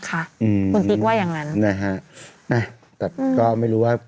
คุณติ๊กว่าอย่างนั้นนะครับนะครับแต่ก็ไม่รู้ว่า